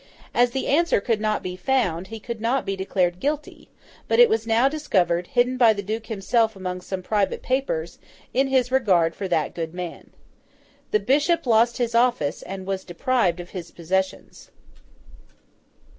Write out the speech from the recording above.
As the answer could not be found, he could not be declared guilty; but it was now discovered, hidden by the Duke himself among some private papers, in his regard for that good man. The Bishop lost his office, and was deprived of his possessions.